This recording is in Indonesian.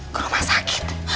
ke rumah sakit